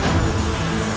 ini mah aneh